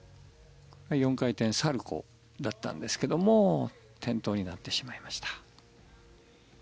４回転サルコウだったんですけども転倒になってしまいました。